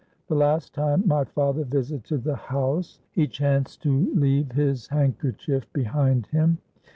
The last time my father visited the house, he chanced to leave his handkerchief behind him.